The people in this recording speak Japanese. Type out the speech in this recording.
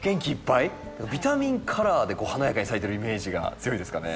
ビタミンカラーで華やかに咲いてるイメージが強いですかね。